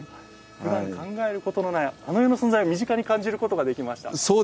ふだん考えることのないあの世の存在身近に感じることできました。